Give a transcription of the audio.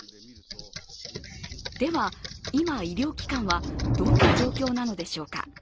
では今、医療機関はどんな状況なのでしょうか？